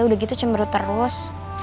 udah gitu cemberut terus